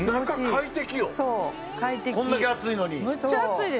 これだけ暑いのに。